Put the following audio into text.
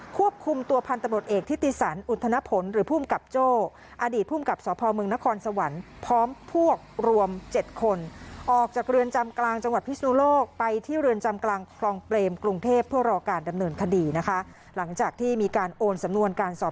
ควบคุมตัวพันธุ์ตำรวจเอกทิศติศัลอุทธนพลหรือภูมิกับโจ้